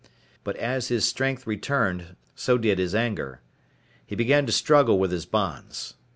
But as his strength returned so did his anger. He began to struggle with his bonds.